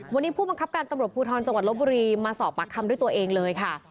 วันนี้ผู้บังคับการตำรวจภูทรจังหวัดลบบุรีมาสอบปากคำด้วยตัวเองเลยค่ะ